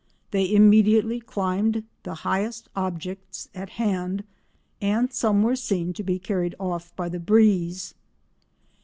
They immediately climbed the highest objects at hand, and some were seen to be carried off by the breeze.